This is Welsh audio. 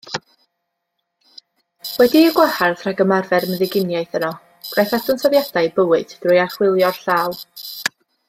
Wedi'i gwahardd rhag ymarfer meddyginiaeth yno, gwnaeth ddadansoddiadau bywyd drwy archwilio'r llaw.